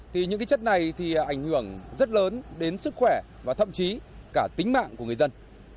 thì những chất này thì ảnh hưởng rất lớn đến sức khỏe và thậm chí cả tính mạng của người dân